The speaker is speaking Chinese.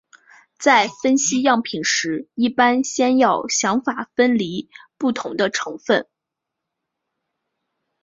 在分析样品时一般先要想法分离不同的成分。